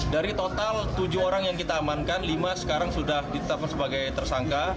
dari total tujuh orang yang kita amankan lima sekarang sudah ditetapkan sebagai tersangka